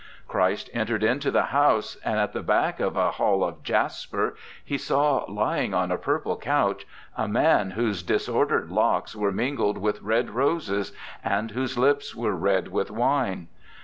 Christ entered into the house, and at the back of a hall of jasper He saw, lying on a purple couch, a man whose disordered locks were mingled with red roses, and whose lips were red with wine.